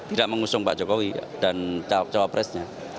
tidak mengusung pak jokowi dan cawapresnya